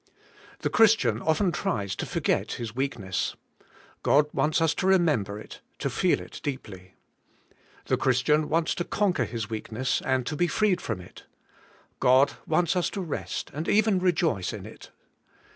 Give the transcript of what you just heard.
The Christian often tries to forget his weakness : God wants us to remember it, to feel it deeply. The Christian wants to conquer his weakness and to be freed from it: God wants us to rest and even re joice in it.